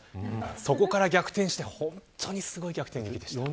そこから逆転して、本当にすごい逆転を見られました。